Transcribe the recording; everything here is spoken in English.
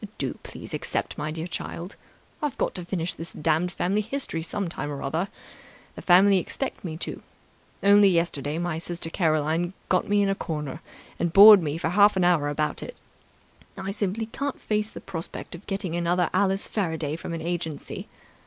"Do please accept, my dear child. I've got to finish this damned family history some time or other. The family expect me to. Only yesterday my sister Caroline got me in a corner and bored me for half an hour about it. I simply can't face the prospect of getting another Alice Faraday from an agency.